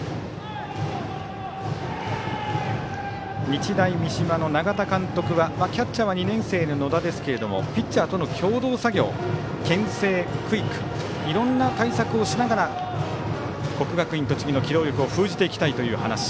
日大三島の永田監督はキャッチャーは２年生の野田ですがピッチャーとの共同作業けん制、クイックいろんな対策をしながら国学院栃木の機動力を封じていきたいという話。